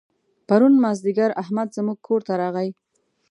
پرون مازدیګر احمد زموږ کور ته راغی.